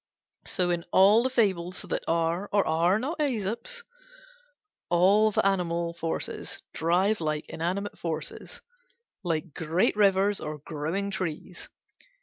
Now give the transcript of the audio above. So in all the fables that are or are not Æsop's all the animal forces drive like inanimate forces, like great rivers or growing trees.